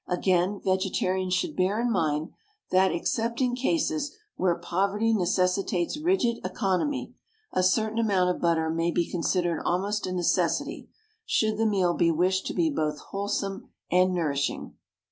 Again, vegetarians should bear in mind that, except in cases where poverty necessitates rigid economy, a certain amount of butter may be considered almost a necessity, should the meal be wished to be both wholesome and nourishing.